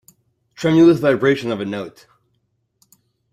Tremulous vibration of a note.